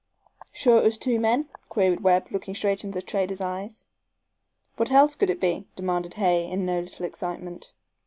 "Sure it was two men?" queried Webb, looking straight into the trader's eyes. "What else could it be?" demanded Hay, in no little excitement.